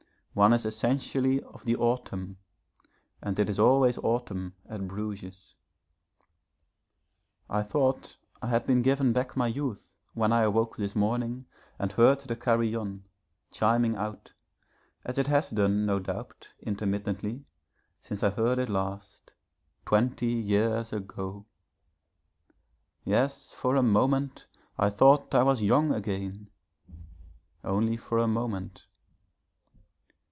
One is essentially of the autumn, and it is always autumn at Bruges. I thought I had been given back my youth when I awoke this morning and heard the Carillon, chiming out, as it has done, no doubt, intermittently, since I heard it last twenty years ago. Yes, for a moment, I thought I was young again only for a moment.